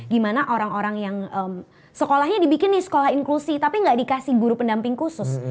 gimana orang orang yang sekolahnya dibikin di sekolah inklusi tapi nggak dikasih guru pendamping khusus